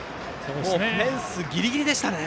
フェンスギリギリでしたね。